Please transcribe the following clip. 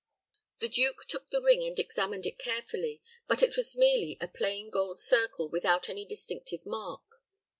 The duke took the ring and examined it carefully; but it was merely a plain gold circle without any distinctive mark.